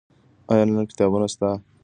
ایا آنلاین کتابتونونه ستا په سیمه کې کار کوي؟